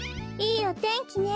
いいおてんきね！